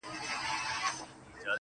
دردونه مي د ستوريو و کتار ته ور وړم~